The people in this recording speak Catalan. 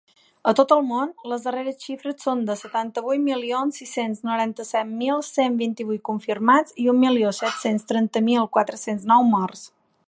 A tot el món, les darreres xifres són de setanta-vuit milions sis-cents noranta-set mil cent vint-i-vuit confirmats i un milió set-cents trenta mil quatre-cents nou morts.